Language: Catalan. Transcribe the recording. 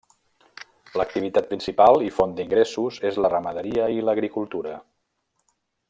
L'activitat principal i font d'ingressos és la ramaderia i l'agricultura.